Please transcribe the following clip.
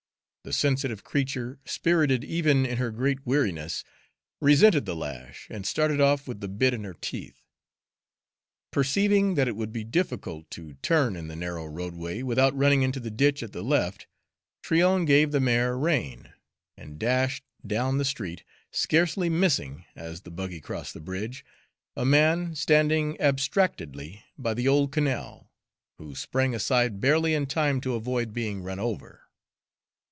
The sensitive creature, spirited even in her great weariness, resented the lash and started off with the bit in her teeth. Perceiving that it would be difficult to turn in the narrow roadway without running into the ditch at the left, Tryon gave the mare rein and dashed down the street, scarcely missing, as the buggy crossed the bridge, a man standing abstractedly by the old canal, who sprang aside barely in time to avoid being run over.